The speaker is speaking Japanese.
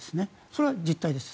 それは実態です。